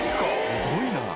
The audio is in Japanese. すごいな！